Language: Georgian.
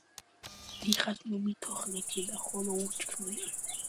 დიხას მუ მითოძჷნი თინა ხოლო უჩქჷნია